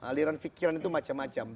aliran pikiran itu macam macam